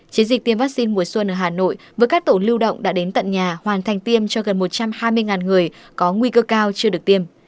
chiến dịch tiêm vaccine mùa xuân ở hà nội với các tổ lưu động đã đến tận nhà hoàn thành tiêm cho gần một trăm hai mươi người có nguy cơ cao chưa được tiêm